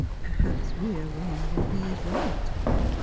' Perhaps we are wrong and he is right.